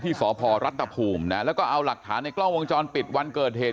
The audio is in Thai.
สพรัฐภูมินะแล้วก็เอาหลักฐานในกล้องวงจรปิดวันเกิดเหตุ